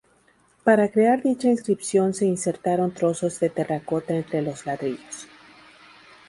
Para crear dicha inscripción se insertaron trozos de terracota entre los ladrillos.